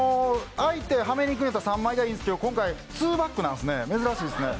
相手をハメに行くのには３枚がいいんですけど今回、ツーバックなんですね、珍しいですね。